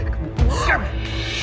kamu pergi sekarang